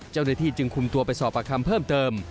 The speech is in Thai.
เจ้าหน้าที่จึงคุมตัวไปสอบประคำเพิ่มเติม